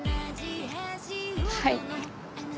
はい。